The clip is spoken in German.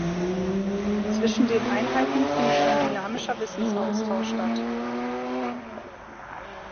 Zwischen den Einheiten findet ein dynamischer Wissensaustausch statt.